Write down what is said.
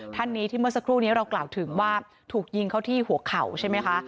ท่านนี้ที่เมื่อสักครู่นี้เรากล่าวถึงว่าถูกยิงเข้าที่หัวเข่าใช่ไหมคะ